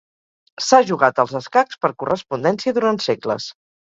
S'ha jugat als escacs per correspondència durant segles.